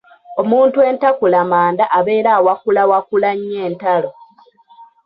Omuntu entakulamanda abeera awakulawakula nnyo entalo.